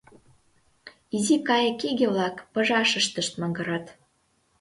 Изи кайыкиге-влак пыжашыштышт магырат.